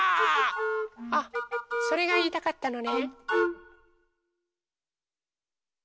あっそれがいいたかったのね。